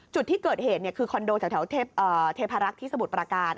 จุดที่เกิดเหตุคือคอนโดแถวเทพารักษ์ที่สมุทรประการ